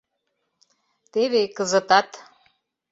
Теве кызытат...